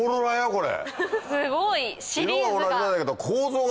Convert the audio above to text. これ。